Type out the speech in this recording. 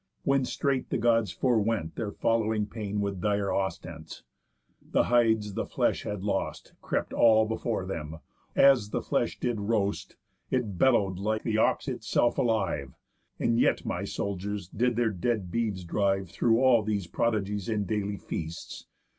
When straight the Gods forewent their following pain With dire ostents. The hides the flesh had lost Crept all before them. As the flesh did roast, It bellow'd like the ox itself alive. And yet my soldiers did their dead beeves drive Through all these prodigies in daily feasts.